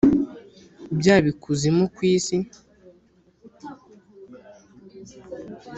byaba ikuzimu kwisi.